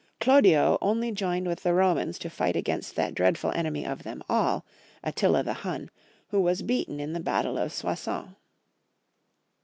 Chlodio only joined with the Romans to fight against that dreadful enemy of them all, Attila the Him, who was beaten in the battle of Soissons.